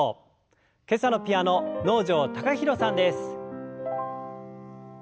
今朝のピアノ能條貴大さんです。